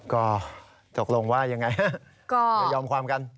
ก็ตกลงว่ายังไง